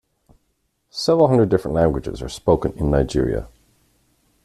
Several hundred different languages are spoken in Nigeria.